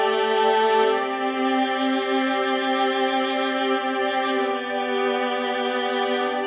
อยากได้โตไม่ทอง